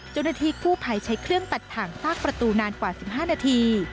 เจ้าหน้าที่กู้ภัยใช้เครื่องตัดถ่างซากประตูนานกว่า๑๕นาที